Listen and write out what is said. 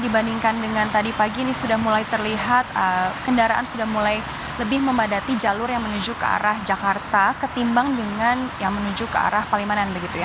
dibandingkan dengan tadi pagi ini sudah mulai terlihat kendaraan sudah mulai lebih memadati jalur yang menuju ke arah jakarta ketimbang dengan yang menuju ke arah palimanan begitu ya